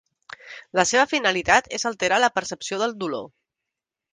La seva finalitat és alterar la percepció del dolor.